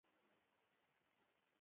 هرې خاصه ایدیالوژي رامنځته کړې.